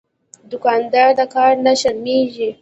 دوکاندار د کار نه شرمېږي.